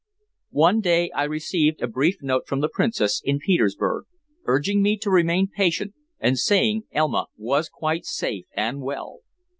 One day I received a brief note from the Princess in Petersburg, urging me to remain patient and saying Elma was quite safe and well.